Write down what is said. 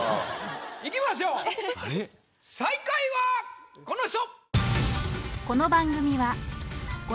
いきましょう最下位はこの人！